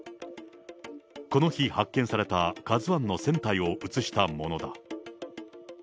この日、発見されたカズワンの船体を写したものだ。